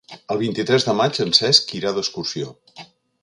El vint-i-tres de maig en Cesc irà d'excursió.